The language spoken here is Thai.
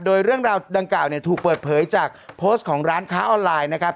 โดยเรื่องราวดังกล่าวเนี่ยถูกเปิดเผยจากโพสต์ของร้านค้าออนไลน์นะครับ